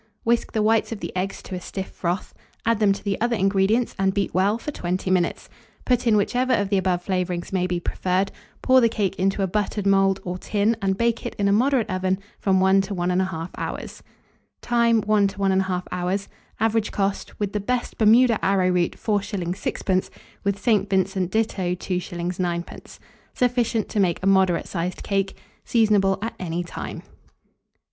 Whisk the whites of the eggs to a stiff froth, add them to the other ingredients, and beat well for 20 minutes. Put in whichever of the above flavourings may be preferred; pour the cake into a buttered mould or tin and bake it in a moderate oven from 1 to 1 1/2 hour. Time. 1 to 1 1/2 hour. Average cost, with the best Bermuda arrowroot, 4s. 6d.; with St. Vincent ditto, 2s. 9d. Sufficient to make a moderate sized cake. Seasonable at any time.